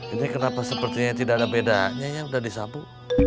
ini kenapa sepertinya tidak ada bedanya ya sudah disabu